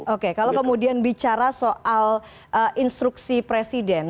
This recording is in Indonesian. oke kalau kemudian bicara soal instruksi presiden